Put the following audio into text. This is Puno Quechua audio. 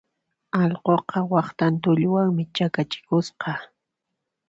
Allquqa waqtan tulluwanmi chakachikusqa.